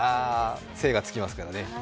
精がつきますからね。